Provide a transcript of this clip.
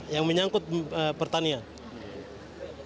yang menyangkut pertanian